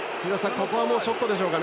ここはショットでしょうか。